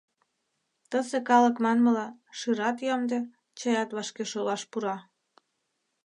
Тысе калык манмыла, шӱрат ямде, чаят вашке шолаш пура.